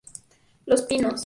Los Pinos.